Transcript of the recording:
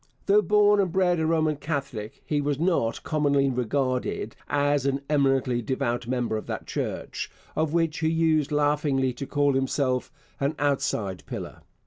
Though born and bred a Roman Catholic, he was not commonly regarded as an eminently devout member of that Church, of which he used laughingly to call himself 'an outside pillar.'